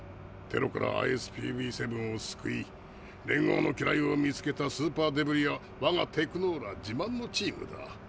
テロからＩＳＰＶ−７を救い連合の機雷を見つけたスーパーデブリ屋わがテクノーラ自慢のチームだ。